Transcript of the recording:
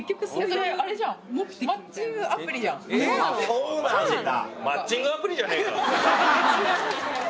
そうなんだ。